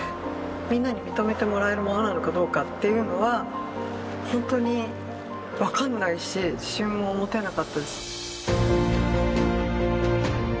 皆に認めてもらえるものなのかどうかっていうのは本当に分かんないし自信も持てなかったです